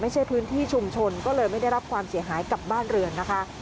ไม่ใช่พื้นที่ชุมชนก็เลยไม่ได้รับความเสียหายกับบ้านเรือนนะคะ